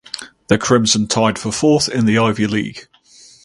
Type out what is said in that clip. The Crimson tied for fourth in the Ivy League.